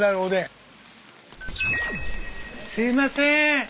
すいません。